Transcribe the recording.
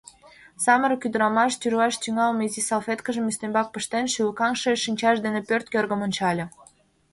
Самырык ӱдрамаш, тӱрлаш тӱҥалме изи салфеткыжым ӱстембак пыштен, шӱлыкаҥше шинчаж дене пӧрт кӧргым ончале.